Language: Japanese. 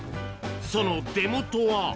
その出元は。